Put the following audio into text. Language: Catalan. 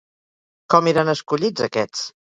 Com eren escollits aquests?